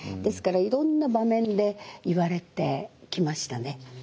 ですからいろんな場面で言われてきましたね。